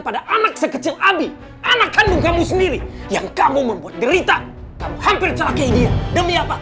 pada anak sekecil abi anak kandung kamu sendiri yang kamu membuat derita kamu hampir celaka ini demi apa